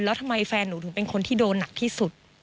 แล้วทำไมแฟนหนูถึงเป็นคนที่โดนหนักที่สุด